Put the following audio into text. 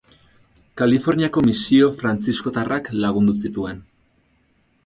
Kaliforniako misio frantziskotarrak lagundu zituen.